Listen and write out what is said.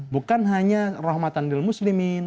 bukan hanya rahmatan lil'muslimin